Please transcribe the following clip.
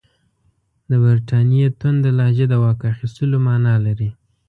د برټانیې تونده لهجه د واک اخیستلو معنی لري.